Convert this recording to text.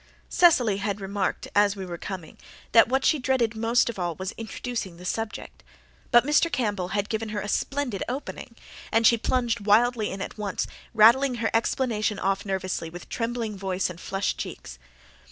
Cecily had remarked as we were coming that what she dreaded most of all was introducing the subject; but Mr. Campbell had given her a splendid opening, and she plunged wildly in at once, rattling her explanation off nervously with trembling voice and flushed cheeks.